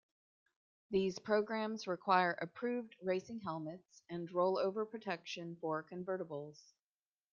These programs require approved racing helmets and rollover protection for convertibles.